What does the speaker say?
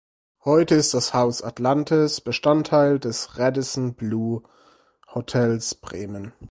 Heute ist das Haus Atlantis Bestandteil des Radisson Blu Hotels Bremen.